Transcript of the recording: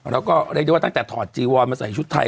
แล้วก็เรียกได้ว่าตั้งแต่ถอดจีวอนมาใส่ชุดไทย